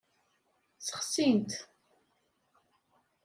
Ssexsin-t.